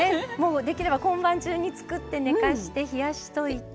できれば今晩中に作って寝かせておいて。